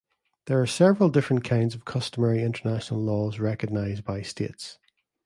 There are several different kinds of customary international laws recognized by states.